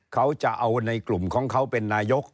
เขาจะเอาในกลุ่มของเขาเป็นนายก